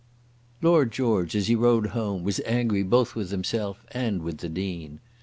Lord George, as he rode home, was angry both with himself and with the Dean.